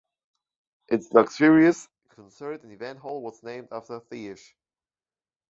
Its luxurious concert and event hall was named after Thiersch.